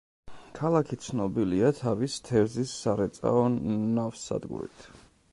ქალაქი ცნობილია თავის თევზის სარეწაო ნავსადგურით.